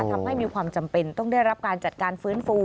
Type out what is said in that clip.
ทำให้มีความจำเป็นต้องได้รับการจัดการฟื้นฟู